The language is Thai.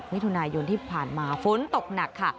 มิถุนายนที่ผ่านมาฝนตกหนักค่ะ